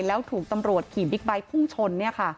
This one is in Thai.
แล้วถูกตำรวจขี่บิ๊กไบท์พุ่งชน